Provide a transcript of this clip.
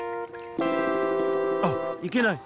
あっいけない！